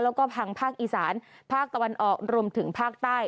แล้วก็พังภาคอีสานภาคตะวันออกรวมถึงภาคใต้